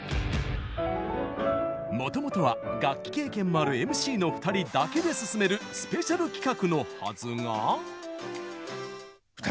もともとは、楽器経験もあるＭＣの２人だけで進めるスペシャル企画のはずが。